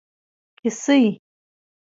کیسۍ